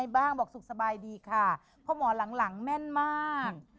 บ้างบอกสุขสบายดีค่ะเพราะหมอหลังแม่นมาก